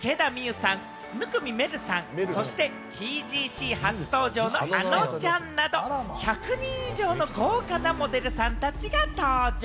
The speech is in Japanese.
藤田ニコルさんや池田美優さん、生見愛瑠さん、そしてＴＧＣ初登場のあのちゃんなど、１００人以上の豪華なモデルさんたちが登場。